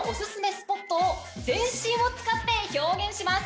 スポットを全身を使って表現します